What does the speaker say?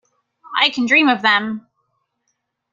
I can dream of them.